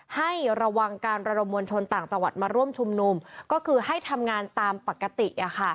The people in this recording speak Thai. ให้ระวังการระดมมวลชนต่างจังหวัดมาร่วมชุมนุมก็คือให้ทำงานตามปกติ